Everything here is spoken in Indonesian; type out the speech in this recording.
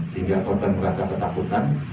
sehingga korban merasa ketakutan